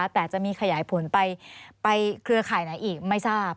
แต่จะมีขยายผลไปเครือข่ายไหนอีกไม่ทราบ